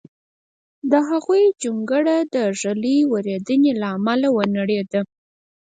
د هغوی جونګړه د ږلۍ وریدېنې له امله ونړېده